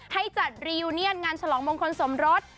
ให้จัดรียูเนียนงานฉลองมงคลสมรส